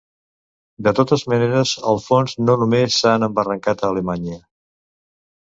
De totes maneres, el fons no només han embarrancat a Alemanya.